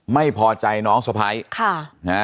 ไม่พอใจน้องสะพ้ายค่ะนะฮะ